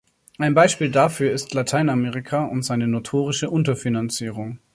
Ein Beispiel dafür ist Lateinamerika und seine notorische Unterfinanzierung.